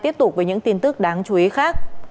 tiếp tục với những tin tức đáng chú ý khác